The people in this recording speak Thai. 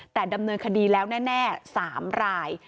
แต่ดำเนินคดีแล้วแน่๓ราย